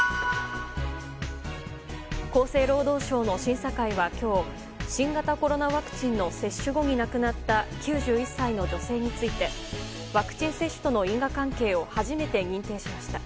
厚生労働省の審査会は今日新型コロナワクチンの接種後に亡くなった９１歳の女性についてワクチン接種との因果関係を初めて認定しました。